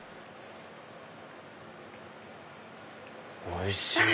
おいしい。